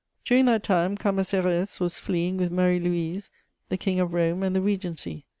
During that time Cambacérès was fleeing with Marie Louise, the King of Rome and the Regency.